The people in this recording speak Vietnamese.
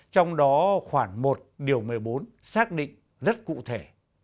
trong đó khoảng một điều một mươi bốn xác định rất cụ thể